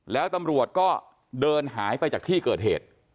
แล้วตำรวจก็เดินหายไปจากที่เกิดเหตุ